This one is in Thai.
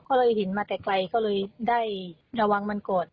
ก็เลยเห็นมาแต่ไกลก็เลยได้ระวังมันก่อน